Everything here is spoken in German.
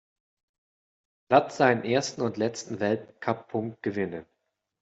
Platz seinen ersten und letzten Weltcup-Punkt gewinnen.